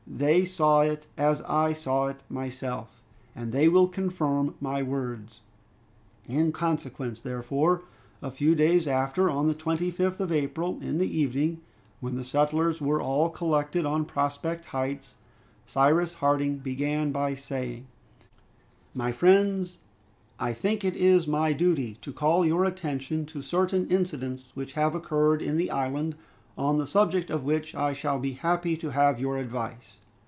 They saw it as I saw it myself, and they will confirm my words." In consequence, therefore, a few days after, on the 25th of April, in the evening, when the settlers were all collected on Prospect Heights, Cyrus Harding began by saying, "My friends, I think it my duty to call your attention to certain incidents which have occurred in the island, on the subject of which I shall be happy to have your advice.